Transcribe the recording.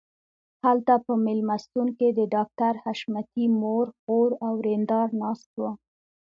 هلته په مېلمستون کې د ډاکټر حشمتي مور خور او ورېندار ناست وو